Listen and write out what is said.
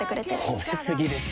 褒め過ぎですよ。